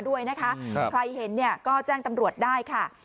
ด้วยนะคะใครเห็นเนี่ยก็แจ้งตำรวจได้ค่ะ